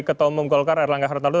ketua umum golkar erlangga hartarto